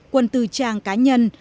quân tư trang cá nhân